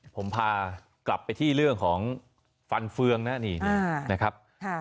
ผมพากลับไปที่เรื่องของฟันเฟืองนะนี่นะครับ